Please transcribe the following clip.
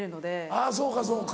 あぁそうかそうか。